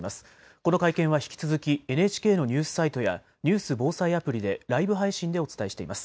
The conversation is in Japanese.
この会見は引き続きＮＨＫのニュースサイトやニュース・防災アプリでライブ配信でお伝えしています。